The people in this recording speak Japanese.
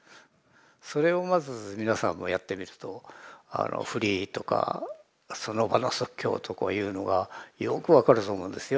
それをまず皆さんもやってみるとフリーとかその場の即興とかいうのがよく分かると思うんですよ。